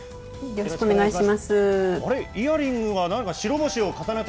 よろしくお願いします。